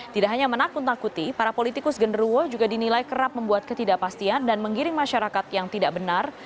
tidak hanya menakut takuti para politikus genderuwo juga dinilai kerap membuat ketidakpastian dan menggiring masyarakat yang tidak benar